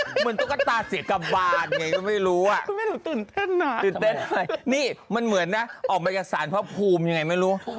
เหมือนตุ๊กตาเสียกระบานไงก็ไม่รู้อ่ะ